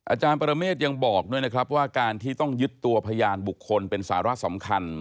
อาจารย์ปรเมฆยังบอกด้วยนะครับว่าการที่ต้องยึดตัวพยานบุคคลเป็นสาระสำคัญ